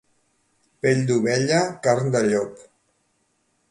Pell d'ovella, carn de llop.